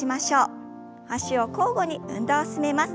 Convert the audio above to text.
脚を交互に運動を進めます。